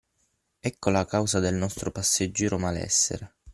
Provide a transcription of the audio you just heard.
Ecco la causa del nostro passeggero malessere.